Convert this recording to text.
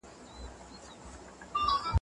موږ ټول ستاسو تر څنګ يو.